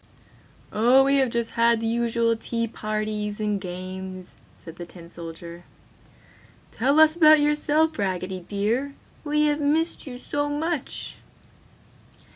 "Oh we have just had the usual tea parties and games!" said the tin soldier. "Tell us about yourself, Raggedy dear, we have missed you so much!"